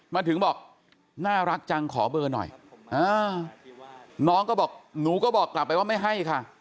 มาถึงบอกน่ารักจังขอเบอร์หน่อยน้องก็บอกหนูก็บอกกลับไปว่าไม่ให้ค่ะ